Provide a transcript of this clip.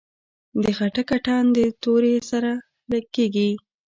د خټک اتن د تورې سره کیږي.